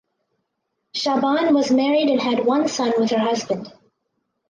Shaaban was married and had one son with her husband.